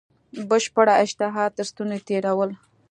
بشپړه اشتها تر ستوني تېرول.